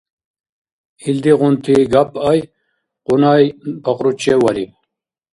Илдигъунти гапъай Кьуннай пахручеввариб.